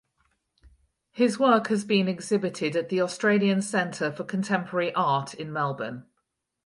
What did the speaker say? His work has been exhibited at the Australian Centre for Contemporary Art in Melbourne.